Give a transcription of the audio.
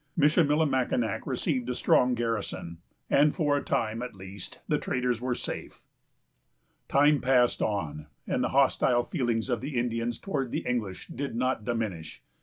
Michillimackinac received a strong garrison; and for a time, at least, the traders were safe. Time passed on, and the hostile feelings of the Indians towards the English did not diminish.